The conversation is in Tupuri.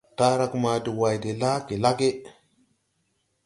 Taarage maa de way de laage lage.